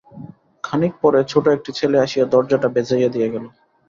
খানিক পরে ছোট একটি ছেলে আসিয়া দরজাটা ভেজাইয়া দিয়া গেল।